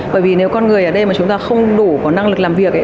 bởi vì nếu con người ở đây mà chúng ta không đủ có năng lực làm việc ấy